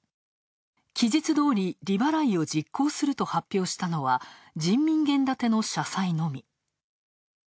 期日どおり、利払いを実行すると発表したのは人民元建ての社債のみ。